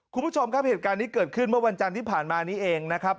คุณผู้ชมครับเหตุการณ์นี้เกิดขึ้นเมื่อวันจันทร์ที่ผ่านมานี้เองนะครับ